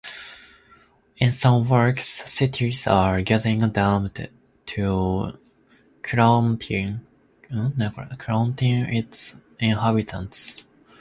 In some works cities are getting "domed" to quarantine its inhabitants.